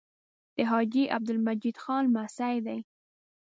د حاجي عبدالمجید خان لمسی دی.